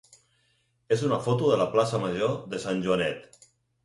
és una foto de la plaça major de Sant Joanet.